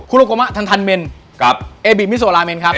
โลโกมะทันเมนเอบิมิโซลาเมนครับ